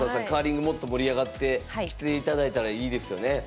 カーリングもっと盛り上がってきて頂いたらいいですよね。